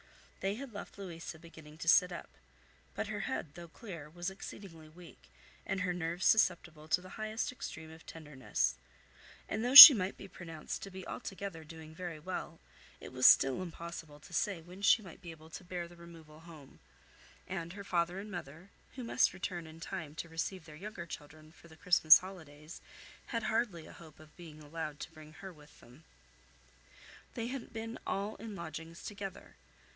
They had left Louisa beginning to sit up; but her head, though clear, was exceedingly weak, and her nerves susceptible to the highest extreme of tenderness; and though she might be pronounced to be altogether doing very well, it was still impossible to say when she might be able to bear the removal home; and her father and mother, who must return in time to receive their younger children for the Christmas holidays, had hardly a hope of being allowed to bring her with them. They had been all in lodgings together.